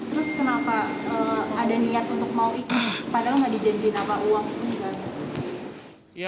terus kenapa ada niat untuk mau ikut padahal gak dijanjikan apa uang pun gak